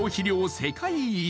世界一